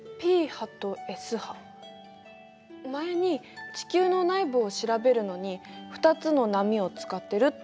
前に地球の内部を調べるのに２つの波を使ってるって話してくれたよね。